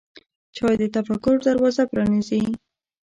چای د تفکر دروازه پرانیزي.